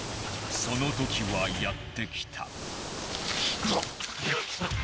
その時はやって来た。